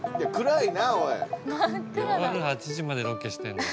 夜８時までロケしてんの。